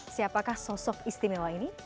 siapakah sosok istimewa ini